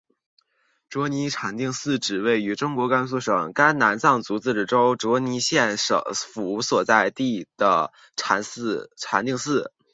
卓尼禅定寺指位于中国甘肃省甘南藏族自治州卓尼县府所在地的禅定寺。